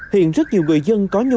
hiện rất nhiều người dân có nhu cầu